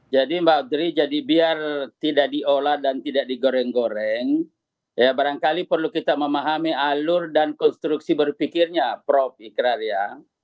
jadi mbak giri jadi biar tidak diolah dan tidak digoreng goreng ya barangkali perlu kita memahami alur dan konstruksi berpikirnya prof ikrar ya